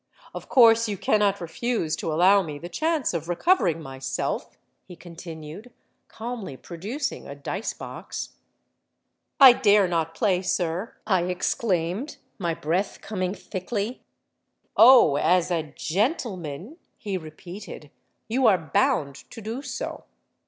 —'Of course you cannot refuse to allow me the chance of recovering myself,' he continued, calmly producing a dice box.—'I dare not play, sir,' I exclaimed, my breath coming thickly.—'Oh! as a gentleman,' he repeated, 'you are bound to do so.'